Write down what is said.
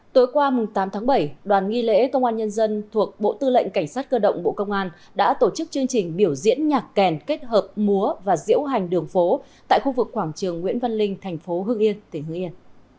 tối qua tám tháng bảy đoàn nghi lễ công an nhân dân thuộc bộ tư lệnh cảnh sát cơ động bộ công an đã tổ chức chương trình biểu diễn nhạc kèn kết hợp múa và diễu hành đường phố tại khu vực quảng trường nguyễn văn linh tp hương yên